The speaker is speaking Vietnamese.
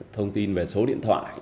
thông tin về số điện thoại